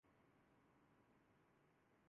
وجود رنگ کے مجموعہ گڈ مڈ کر د والے ہی کیوں نہ ہوں